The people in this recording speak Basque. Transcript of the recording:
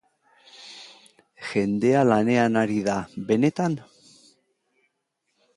Jendea lanean ari da, benetan?